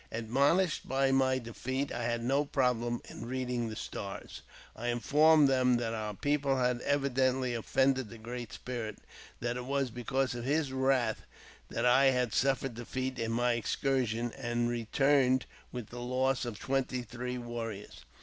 Admonished by my defeat, I had no trouble in reading the stars. I informed them that ®ur people had evidently offended the Great Spirit ; that it was becausej of his wrath I had suffered defeat in my excursion, and re f turned with the loss of twenty three warriors.